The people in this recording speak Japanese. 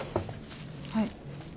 はい。